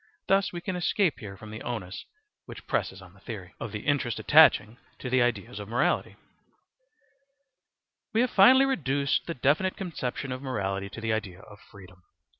Thus we can escape here from the onus which presses on the theory. Of the Interest attaching to the Ideas of Morality We have finally reduced the definite conception of morality to the idea of freedom.